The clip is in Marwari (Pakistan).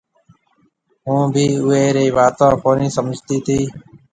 هُون بي اويري واتون ڪونَي سمجهتي تي